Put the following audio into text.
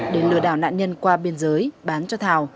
để lừa đảo nạn nhân qua biên giới bán cho thảo